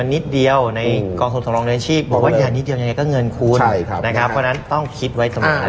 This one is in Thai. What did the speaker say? นิดเดียวไงก็เงินคูณนะครับเพราะฉะนั้นต้องคิดไว้สมัคร